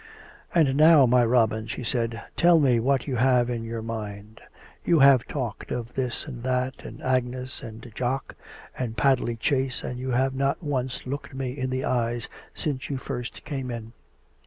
" And now, my Robin," she said, " tell me what you have in your mind. You have talked of this and that and Agnes and Jock, and Padley chase, and you have not once looked me in the eyes since you first came in."